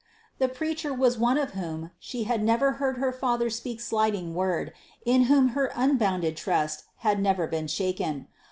The preacher was one of whom she had never heard her father speak slighting word, in whom her unbounded trust had never been shaken.